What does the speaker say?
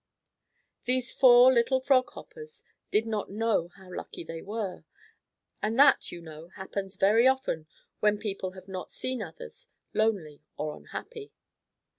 These four little Frog Hoppers did not know how lucky they were, and that, you know, happens very often when people have not seen others lonely or unhappy.